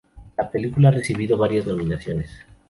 La película ha recibido varias nominaciones.